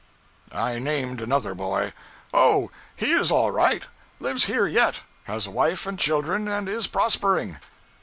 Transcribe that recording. I named another boy. 'Oh, he is all right. Lives here yet; has a wife and children, and is prospering.'